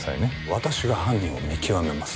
私が犯人を見極めます